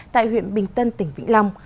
tại huyện bình tân tỉnh vĩnh long